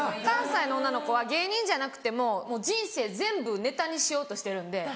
関西の女の子は芸人じゃなくても人生全部ネタにしようとしてるんで。